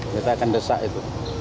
kita akan desak itu